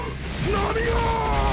波が！